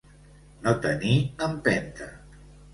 No tenir empenta.